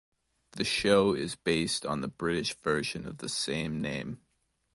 The show is based on the British version of the same name.